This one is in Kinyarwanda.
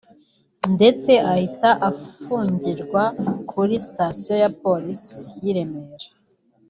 ndetse ahita afungirwa kuri Sitasiyo ya Polisi y’I Remera